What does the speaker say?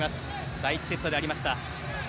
第２セットでありました。